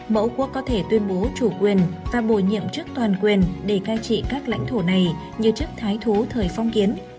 mẫu quốc có thể tuyên bố chủ quyền và bổ nhiệm chức toàn quyền để cai trị các lãnh thổ này như chức thái thú thời phong kiến